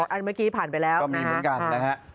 อ๋ออันเมื่อกี้ผ่านไปแล้วนะฮะ